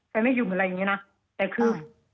แฟนไม่หยุดหรืออะไรอย่างนี้นะแต่คือ